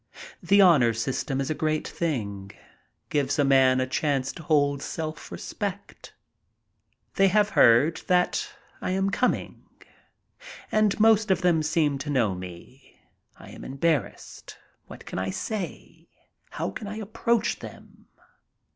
The honor system is a great thing, gives a man a chance to hold self respect. They have heard that I am coming, and most of them seem to know me. I am embarrassed. What can I say? yow can I approach them?